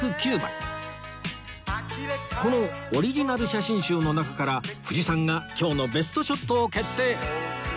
このオリジナル写真集の中から藤さんが今日のベストショットを決定！